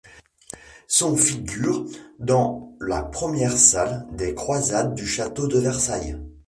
Son figure dans la première salle des croisades du château de Versailles.